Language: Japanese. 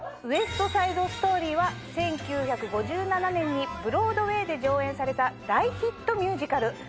『ウエスト・サイド・ストーリー』は１９５７年にブロードウェイで上演された大ヒットミュージカル。